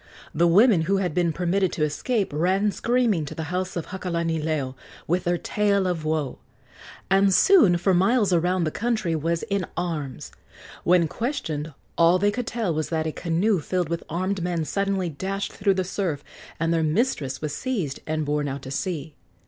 The women who had been permitted to escape ran screaming to the house of Hakalanileo with their tale of woe, and soon for miles around the country was in arms. When questioned, all they could tell was that a canoe filled with armed men suddenly dashed through the surf, and their mistress was seized and borne out to sea.